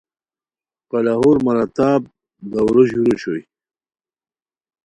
قلاہور مراتاب دُورو ژور اوشوئے